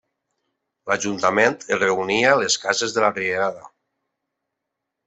L'ajuntament es reunia les cases de la Rierada.